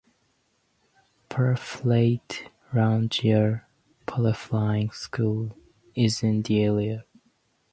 Paraflyte Ranch, a paraflying school, is in the area.